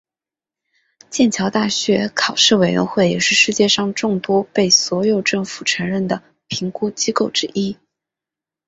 剑桥大学考试委员会也是世界上众多的被所有政府承认的评估机构之一。